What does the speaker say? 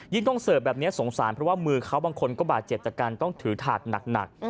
ต้องเสิร์ฟแบบนี้สงสารเพราะว่ามือเขาบางคนก็บาดเจ็บจากการต้องถือถาดหนัก